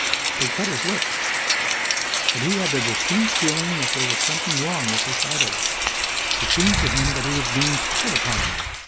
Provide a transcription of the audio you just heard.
They cut his lip. But he had the distinct feeling that there was something wrong with this idyll. It seemed to him that he was being spied upon.